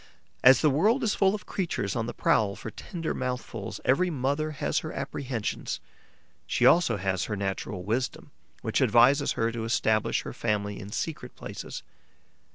As the world is full of creatures on the prowl for tender mouthfuls, every mother has her apprehensions; she also has her natural wisdom, which advises her to establish her family in secret places.